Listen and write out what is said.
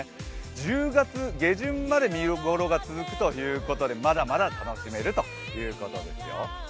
１０月下旬まで見頃が続くということでまだまだ楽しめるということですよ。